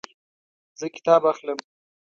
زه کتاب اخلم